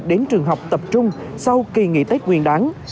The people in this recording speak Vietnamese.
đến trường học tập trung sau kỳ nghỉ tết nguyên đáng